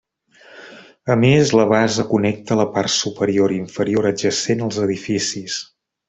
A més, la base connecta la part superior i inferior adjacent als edificis.